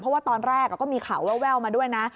เพราะว่าตอนแรกก็มีข่าวแววมาด้วยนะ